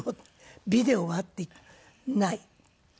「ビデオは？」って「ない」。